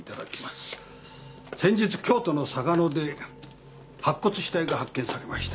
先日京都の嵯峨野で白骨死体が発見されました。